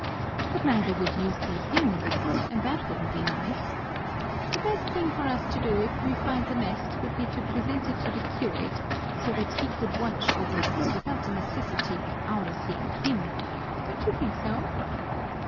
"But neither would you see him and that wouldn't be nice. The best thing for us to do if we find the nest would be to present it to the curate so that he could watch over us without the necessity of our seeing him, don't you think so?"